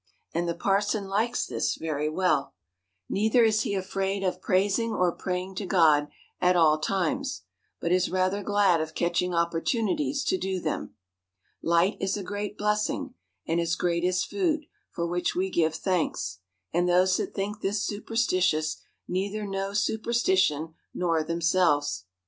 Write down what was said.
and the parson likes this very well. Neither is he afraid of praising or praying to God at all times, but is rather glad of catching opportunities to do them. Light is a great blessing ; and as great as food, for which we give thanks : and those that think this superstitious, neither know superstition nor themselves.